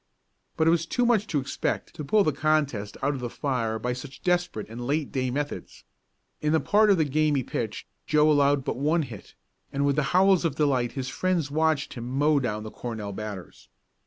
But it was too much to expect to pull the contest out of the fire by such desperate and late day methods. In the part of the game he pitched Joe allowed but one hit, and with howls of delight his friends watched him mow down the Cornell batters.